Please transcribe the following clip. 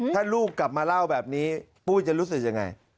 ถ้าลูกกลับมาเล่าแบบนี้ปุ้ยจะรู้สึกยังไง